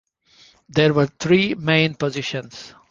There were three main positions.